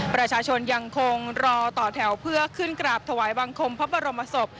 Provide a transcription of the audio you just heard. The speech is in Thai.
ประชาชนยังคงรอต่อแถวเพื่อขึ้นกราบถวายบังคมพระบรมศพ